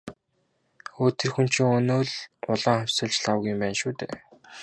Өө тэр хүн чинь өнөө л «улаан хувьсгалч» Лхагва юм байна шүү дээ.